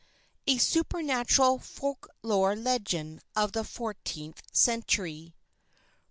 A SUPERNATURAL FOLK LORE LEGEND OF THE FOURTEENTH CENTURY.